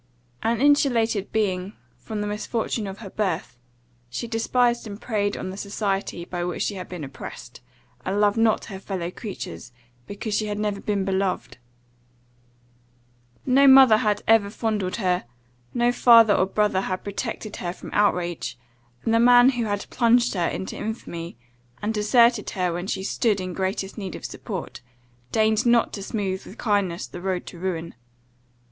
An insulated being, from the misfortune of her birth, she despised and preyed on the society by which she had been oppressed, and loved not her fellow creatures, because she had never been beloved. No mother had ever fondled her, no father or brother had protected her from outrage; and the man who had plunged her into infamy, and deserted her when she stood in greatest need of support, deigned not to smooth with kindness the road to ruin.